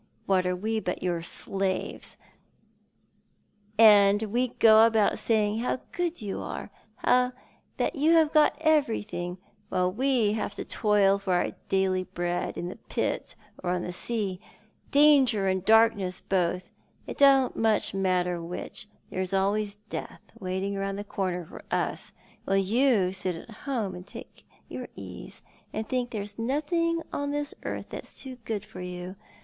What are we but your slaves? And we go about saying how good you are — you that have got everything, while we have to toil for our daily bread, in the pit or on the sea — danger and darkness both — it don't much matter which, there's always Death waiting round the corner for us — while you sit at home and take your ease, and think there's nothing on this earth that's too good for you.